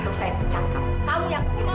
atau saya pecah kamu kamu yang pilih